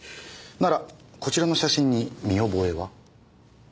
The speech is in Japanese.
ならこちらの写真に見覚えは？